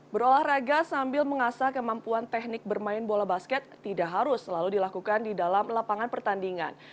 berolahraga sambil mengasah kemampuan teknik bermain bola basket tidak harus selalu dilakukan di dalam lapangan pertandingan